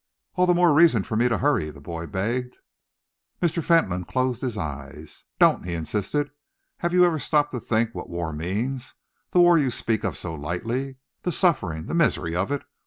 "All the more reason for me to hurry," the boy begged. Mr. Fentolin closed his eyes. "Don't!" he insisted. "Have you ever stopped to think what war means the war you speak of so lightly? The suffering, the misery of it!